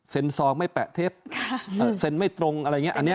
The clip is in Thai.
ซองไม่แปะเท็จเซ็นไม่ตรงอะไรอย่างนี้